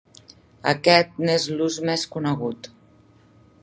Aquest n'és l'ús més conegut.